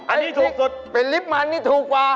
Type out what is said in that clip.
อันนี้ถูกสุดเป็นลิฟต์มันนี่ถูกกว่า